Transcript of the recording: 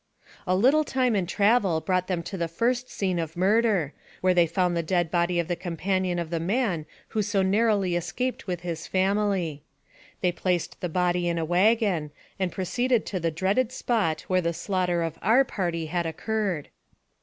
32 NARRATIVE OF CAPTIVITY A little time and travel brought them to the first scene of murder, where they found the dead body of the companion of the man who so narrowly escaped with his family. They placed the body in a wagon, and proceeded to the dreaded spot where the slaughter of our party had occurred.